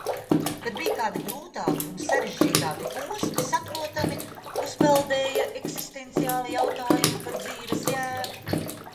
Kad bija kādi grūtāki un sarežģītāki posmi, saprotami "uzpeldēja" eksistenciāli jautājumi par dzīves jēgu.